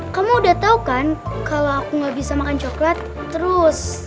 kamu udah tau kan kalau aku nggak bisa makan coklat terus